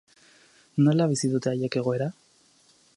Nola bizi dute haiek egoera?